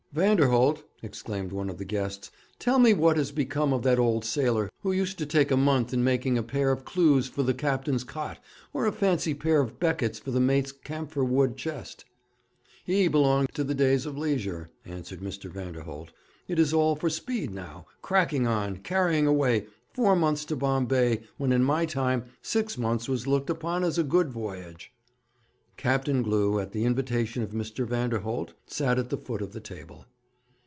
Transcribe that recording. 'Vanderholt,' exclaimed one of the guests, 'tell me what has become of that old sailor who used to take a month in making a pair of clews for the captain's cot, or a fancy pair of beckets for the mate's camphor wood chest.' 'He belonged to the days of leisure,' answered Mr. Vanderholt. 'It is all for speed now, cracking on, carrying away, four months to Bombay, when in my time six months was looked upon as a good voyage.' Captain Glew, at the invitation of Mr. Vanderholt, sat at the foot of the table.